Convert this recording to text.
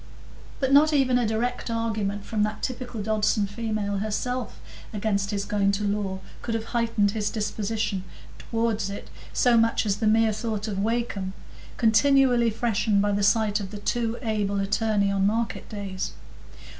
But not even a direct argument from that typical Dodson female herself against his going to law could have heightened his disposition toward it so much as the mere thought of Wakem, continually freshened by the sight of the too able attorney on market days.